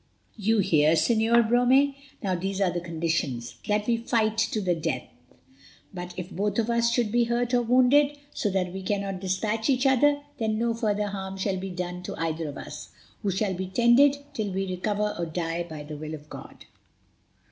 "You hear, Señor Brome. Now these are the conditions—that we fight to the death, but, if both of us should be hurt or wounded, so that we cannot despatch each other, then no further harm shall be done to either of us, who shall be tended till we recover or die by the will of God."